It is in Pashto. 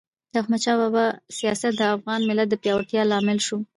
د احمد شاه بابا سیاست د افغان ملت د پیاوړتیا لامل سو.